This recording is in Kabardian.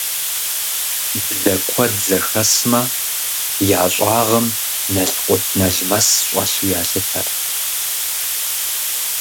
Блэ куэд зэхэсмэ, я щӀагъым налкъут-налмэс щӀэлъу ялъытэрт.